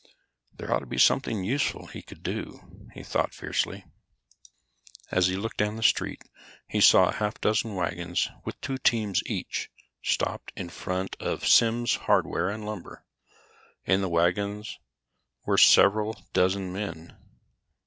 There ought to be something useful he could do, he thought fiercely. As he looked down the street, he saw a half dozen wagons with two teams each, stopped in front of Sims Hardware and Lumber. In the wagons were several dozen men.